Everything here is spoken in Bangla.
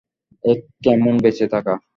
এ কেমন বেঁচে থাকা!